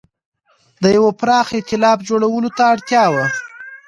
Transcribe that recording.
د یوه پراخ اېتلاف جوړولو ته اړتیا وه.